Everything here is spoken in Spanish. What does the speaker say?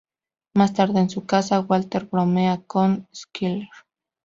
Más tarde en su casa, Walter bromea con Skyler.